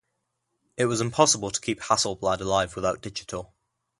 It was impossible to keep Hasselblad alive without digital.